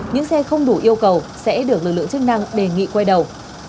những xe không đủ yêu cầu sẽ được lực lượng chức năng đề nghị quay đầu